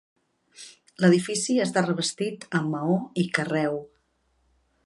L'edifici està revestit amb maó i carreu.